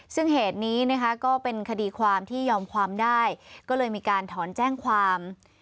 ซึ่งเหตุนี้นะคะก็เป็นคดีความที่ยอมความได้ก็เลยมีการถอนแจ้งความ